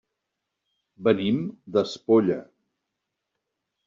Venim d'Espolla.